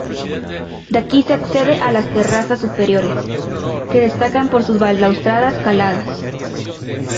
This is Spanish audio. De aquí se accede a las terrazas superiores, que destacan por sus balaustradas caladas.